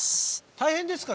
大変ですか？